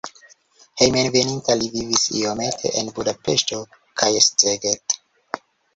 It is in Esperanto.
Hejmenveninta li vivis iomete en Budapeŝto kaj Szeged.